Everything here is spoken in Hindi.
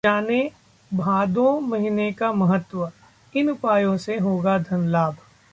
जानें, भादो महीने का महत्व, इन उपायों से होगा धन लाभ